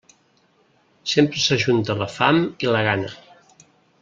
Sempre s'ajunta la fam i la gana.